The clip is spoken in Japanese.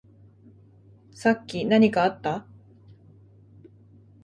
さっき何かあった？